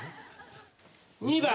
２番。